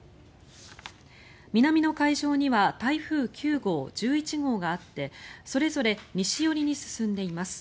南の海上には台風９号、１１号があってそれぞれ西寄りに進んでいます。